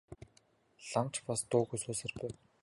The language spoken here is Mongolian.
Лам ч бас дуугүй суусаар байв.